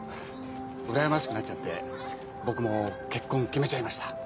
うらやましくなっちゃって僕も結婚決めちゃいました。